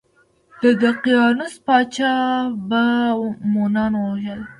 د دقیانوس پاچا به مومنان وژل.